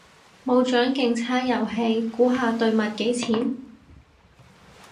冇獎競猜遊戲，估下對襪幾錢？